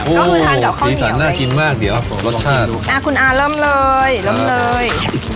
โอ้สีสันน่ากินมากเดี๋ยวรสชาติอ่ะคุณอาเริ่มเลยเริ่มเลย